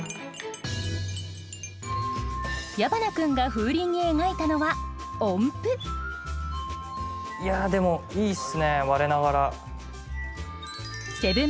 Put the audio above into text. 矢花君が風鈴に描いたのは音符いやでもいいっすね我ながら。